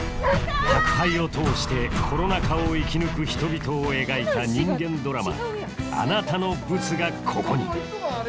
宅配を通してコロナ禍を生き抜く人々を描いた人間ドラマ「あなたのブツが、ここに」